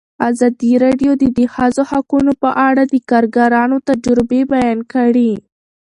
ازادي راډیو د د ښځو حقونه په اړه د کارګرانو تجربې بیان کړي.